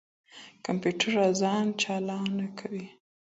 کمپيوټر آذان چالانه کوي.